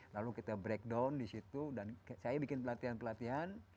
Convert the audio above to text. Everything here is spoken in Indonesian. lalu kita breakdown di situ dan saya bikin pelatihan pelatihan